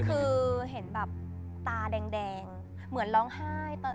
คือเห็นแบบตาแดงเหมือนร้องไห้ตอน